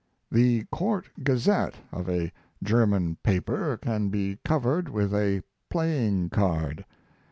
The "Court Gazette" of a German paper can be covered with a playing card.